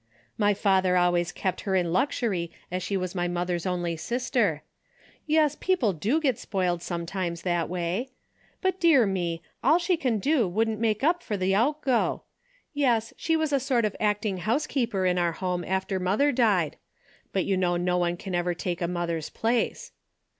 My father always kept her in luxury as she was my mother's only sister. Yes, people do get spoiled sometimes that way. But, dear me, all she can do wouldn't make up for the outgo. Yes, she was a sort of acting house keeper in our home after mother died, but you know no one can ever take a mother's place.